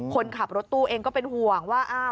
คนขับรถตู้เองก็เป็นห่วงว่า